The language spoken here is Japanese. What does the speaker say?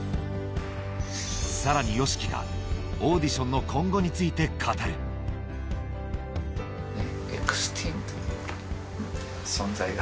さらにＹＯＳＨＩＫＩがオーディションの今後について語るですね。